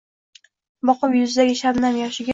Boqib yuzidagi shabnam — yoshiga